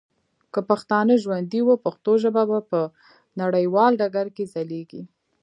که پښتانه ژوندي وه ، پښتو ژبه به په نړیوال ډګر کي ځلیږي.